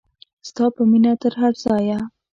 ستا په مینه تر هر ځایه.